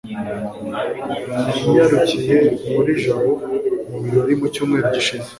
nanyarukiye muri jabo mu birori mu cyumweru gishize